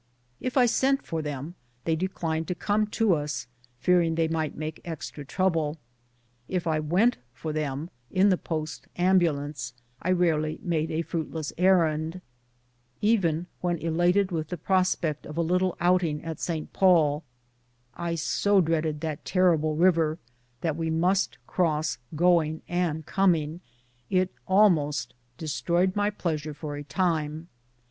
If I sent for them they declined to come to us, fearing they might make extra trouble ; if I went for them in 186 BOOTS AND SADDLES. the post ambulance, I rarely made a fruitless errand. Even when elated with the prospect of a little outing at St. Paul, I so dreaded that terrible river that we must cross going and coming, it almost destroyed my pleasure for a time.